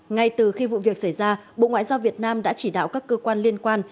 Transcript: ngay từ khi vụ việc xảy ra bộ ngoại giao việt nam đã chỉ đạo các cơ quan liên quan